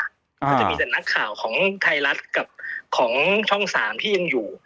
ก็จะมีแต่นักข่าวของไทยรัฐกับของช่อง๓ที่ยังอยู่